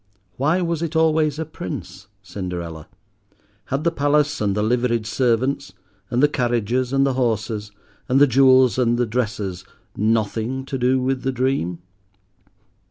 Why was it always a prince, Cinderella? Had the palace and the liveried servants, and the carriages and horses, and the jewels and the dresses, nothing to do with the dream?